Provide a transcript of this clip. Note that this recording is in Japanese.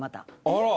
あら。